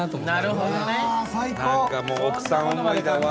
何かもう奥さん思いだわ。